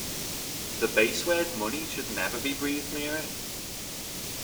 The base word money should never be breathed near it!